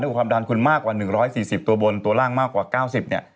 ความดันคุณมากกว่า๑๔๐ตัวบนตัวล่างมากกว่า๙๐เนี่ย